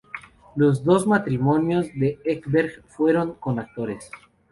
Los dos matrimonios de Ekberg fueron con actores.